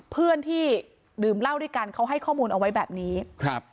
เพื่อนที่ดื่มเหล้าด้วยกันเขาให้ข้อมูลเอาไว้แบบนี้ครับ